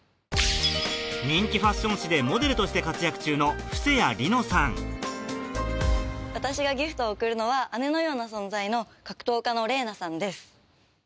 人気ファッション誌でモデルとして活躍中の私がギフトを贈るのは姉のような存在の格闘家のＲＥＮＡさんです。